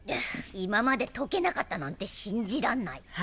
今まで解けなかったなんて信じらんない。